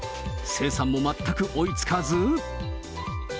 生産も全く追いつかず。